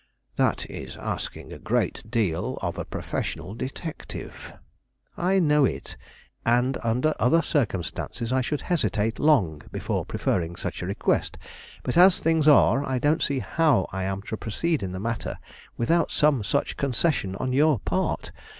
"That is asking a great deal of a professional detective." "I know it, and under other circumstances I should hesitate long before preferring such a request; but as things are, I don't see how I am to proceed in the matter without some such concession on your part.